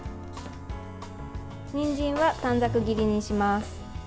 にんじんは短冊切りにします。